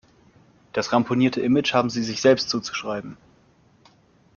Das ramponierte Image haben sie sich selbst zuzuschreiben.